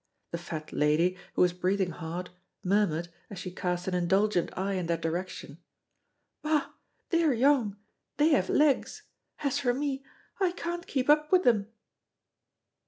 The fat lady, who was breathing hard, murmured, as she cast an indulgent eye in their direction: "Bah! they're young they have legs. As for me, I can't keep up with them."